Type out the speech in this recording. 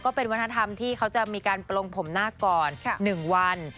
เป็นวัฒนธรรมที่เขาจะมีการปลงผมหน้าก่อน๑วัน